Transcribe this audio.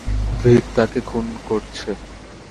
ভিক তাকে খুন করছে।